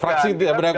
fraksi tidak berangkat